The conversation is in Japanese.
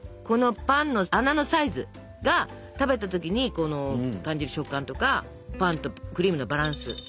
このパンの穴のサイズが食べたときに感じる食感とかパンとクリームのバランス。